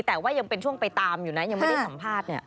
แต่ว่ายังเป็นช่วงไปตามอยู่นะยังไม่ได้สัมภาษณ์เนี่ย